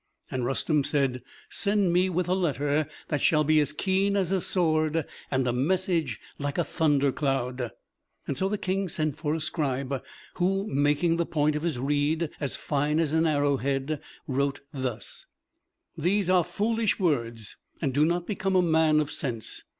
And Rustem said, "Send me with a letter that shall be as keen as a sword and a message like a thunder cloud." So the King sent for a scribe, who, making the point of his reed as fine as an arrowhead, wrote thus: "These are foolish words, and do not become a man of sense.